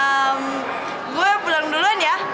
hmm gue pulang duluan ya